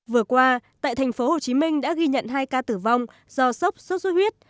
vừa qua tại thành phố hồ chí minh đã ghi nhận hai ca tử vong do sốc sốt xuất huyết